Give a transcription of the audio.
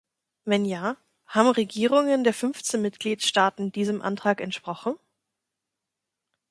Wenn ja, haben Regierungen der fünfzehn Mitgliedstaaten diesem Antrag entsprochen?